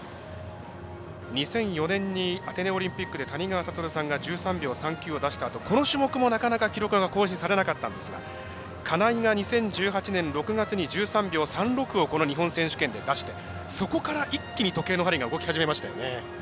２００４年にアテネオリンピックで谷川聡さんが１３秒２９を出したあとこの記録もなかなか記録が更新されなかったんですが２０１８年６月に１３秒１６を出してそこから一気に時計の針が動き始めましたよね。